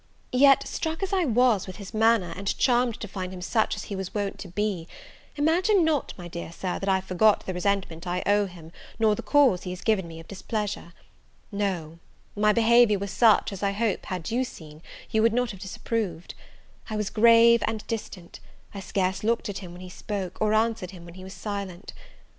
Yet, struck as I was with his manner, and charmed to find him such as he was wont to be, imagine not, my dear Sir, that I forgot the resentment I owe him, or the cause he has given me of displeasure; no, my behaviour was such, as I hope, had you seen, you would not have disapproved: I was grave and distant; I scarce looked at him when he spoke, or answered him when he was silent.